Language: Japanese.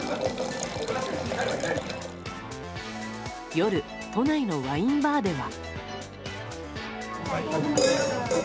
夜、都内のワインバーでは。